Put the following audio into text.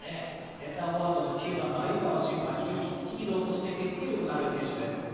センターフォワードの鮎川峻は非常にスピード、そして決定力のある選手です。